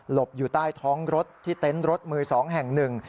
บอยู่ใต้ท้องรถที่เต็นต์รถมือสองแห่งหนึ่ง